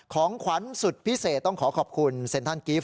ของขวัญสุดพิเศษต้องขอขอบคุณ